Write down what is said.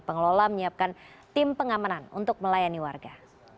pengelola menyiapkan tim pengamanan untuk melayani warga